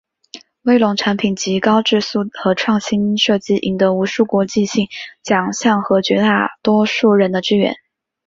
威龙产品籍高质素和创新设计赢得无数国际性奖项和绝大多数人的支援。